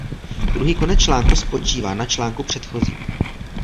Druhý konec článku spočívá na článku předchozím.